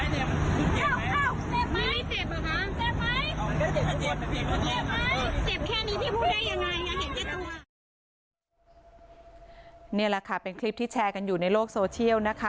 นี่แหละค่ะเป็นคลิปที่แชร์กันอยู่ในโลกโซเชียลนะคะ